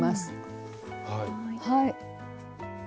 はい。